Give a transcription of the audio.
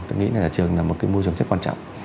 chúng ta nghĩ nhà trường là một môi trường rất quan trọng